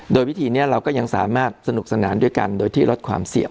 โดยวิธีนี้เราก็ยังสามารถสนุกสนานด้วยกันโดยที่ลดความเสี่ยง